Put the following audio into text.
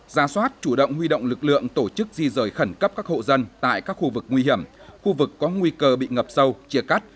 ra soát chủ động huy động lực lượng tổ chức di rời khẩn cấp các hộ dân tại các khu vực nguy hiểm khu vực có nguy cơ bị ngập sâu chia cắt